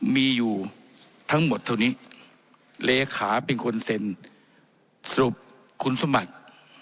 มีอยู่ทั้งหมดเท่านี้เลขาเป็นคนเซ็นสรุปคุณสมบัติ